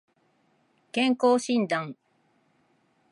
健康診断